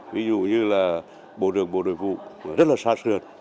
ví dụ như là bộ trưởng bộ đội vụ rất là xa xuyên